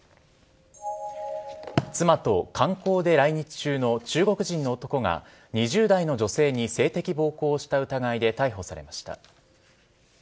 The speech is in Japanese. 妻と観光で来日中の中国人の男が２０代の女性に性的暴行をした疑いで逮捕されました。